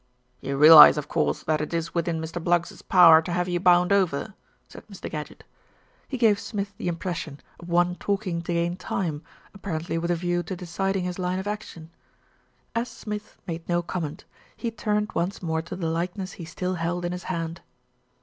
"You realise, of course, that it is within Mr. Bluggs's power to have you bound over," said Mr. Gadgett. He gave Smith the impression of one talking to gain time, apparently with a view to deciding his line of action. As Smith made no comment, he turned once more to the likeness he still held in his hand.